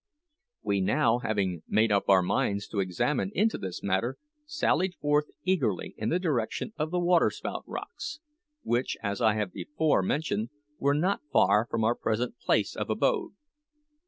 We now, having made up our minds to examine into this matter, sallied forth eagerly in the direction of the waterspout rocks, which, as I have before mentioned, were not far from our present place of abode.